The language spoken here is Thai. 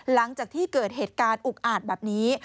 หลังจากที่เกิดเหตุการณ์อุกอาจแบบนี้